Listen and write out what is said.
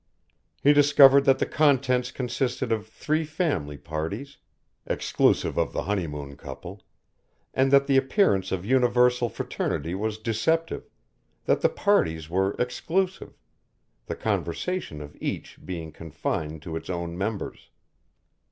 He discovered that the contents consisted of three family parties exclusive of the honeymoon couple and that the appearance of universal fraternity was deceptive, that the parties were exclusive, the conversation of each being confined to its own members.